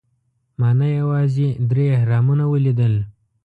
ما نه یوازې درې اهرامونه ولیدل.